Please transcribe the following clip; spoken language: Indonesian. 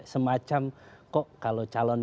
semacam kok kalau calon